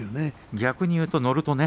逆に言うと、乗るとね。